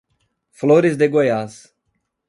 Flores de Goiás